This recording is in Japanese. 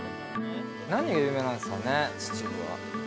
何有名なんですかね秩父は。